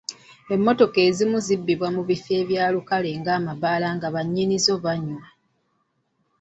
Emmotoka ezimu zibbibwa mu bifo by'olukale nga amabaala nga bannyinizo banywa.